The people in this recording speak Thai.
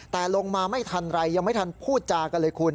แต่ลงมาไม่ทันไรยังไม่ทันพูดจากันเลยคุณ